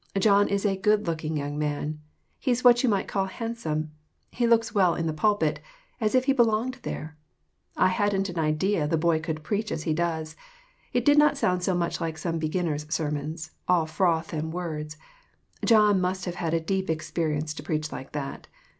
John is a good looking young man. He's what you might call handsome. He looks well in the pulpit, as if he belonged there. I hadn't an idea the boy could preach as he does. It did not sound much like some beginners' ser mons all froth and words. John must have had a deep experience to preach like that.